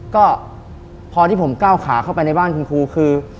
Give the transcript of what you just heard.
ก็พอที่ผมก้าวขาเข้าไปในบ้านคุณครูคือ